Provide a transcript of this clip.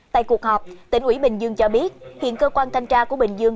tại cuộc họp tỉnh ủy bình dương cho biết hiện cơ quan thanh tra của bình dương